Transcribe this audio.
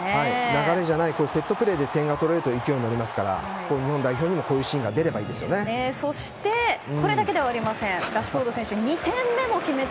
流れじゃなくてセットプレーで点が取れると勢いに乗れますから日本代表にもこういうシーンがこれだけでは終わりません。